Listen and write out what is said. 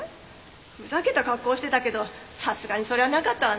ふざけた格好してたけどさすがにそれはなかったわね。